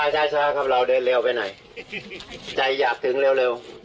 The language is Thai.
ช้าครับเราเดินเร็วไปไหนใจอยากถึงเร็ว